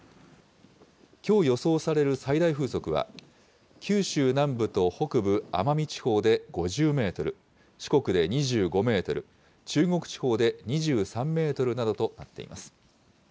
きょう予想される最大風速は、九州南部と北部、奄美地方で５０メートル、四国で２５メートル、中国地方で２３メートルなどとなっています。